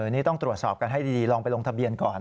นี่ต้องตรวจสอบกันให้ดีลองไปลงทะเบียนก่อน